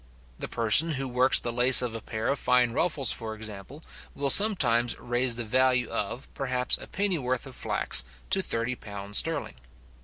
The person who works the lace of a pair of fine ruffles for example, will sometimes raise the value of, perhaps, a pennyworth of flax to £30 sterling.